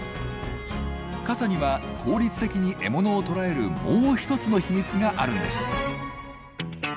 傘には効率的に獲物を捕らえるもう一つの秘密があるんです。